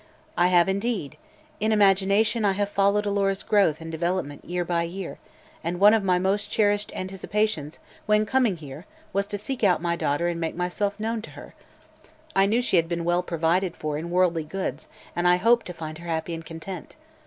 "I have, indeed. In imagination I have followed Alora's growth and development year by year, and one of my most cherished anticipations when coming here was to seek out my daughter and make myself known to her. I knew she had been well provided for in worldly goods and I hoped to find her happy and content.